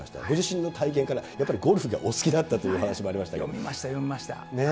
ご自身の体験からやっぱりゴルフがお好きだったという読みました、読みました。